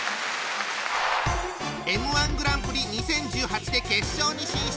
Ｍ−１グランプリ２０１８で決勝に進出。